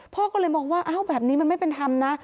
พ่อก็เลยมองว่าอ้าวแบบนี้มันไม่เป็นธรรมนะ